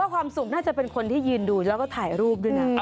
ความสุขน่าจะเป็นคนที่ยืนดูแล้วก็ถ่ายรูปด้วยนะ